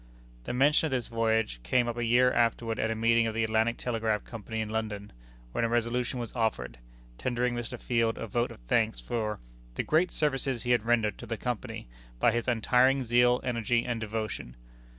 The mention of this voyage came up a year afterward at a meeting of the Atlantic Telegraph Company in London, when a resolution was offered, tendering Mr. Field a vote of thanks for "the great services he had rendered to the Company by his untiring zeal, energy, and devotion."